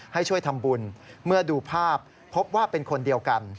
ให้ช่วยทำบุญเมื่อดูภาพพบว่าเป็นคนเดียวกัน